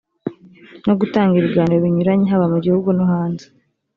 no gutanga ibiganiro binyuranye haba mu gihugu no hanze